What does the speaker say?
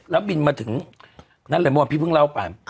แล้วบินมาถึงนั่นเลยเมื่อวานพี่เพิ่งเล่าไป